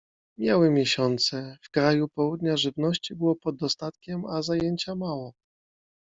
Mijały miesiące. W kraju Południa żywności było pod dostatkiem, a zajęcia mało.